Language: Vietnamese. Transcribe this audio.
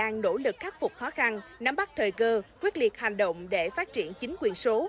nỗ lực khắc phục khó khăn nắm bắt thời cơ quyết liệt hành động để phát triển chính quyền số